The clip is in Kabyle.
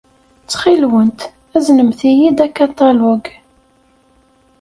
Ttxil-went, aznemt-iyi-d akaṭalug.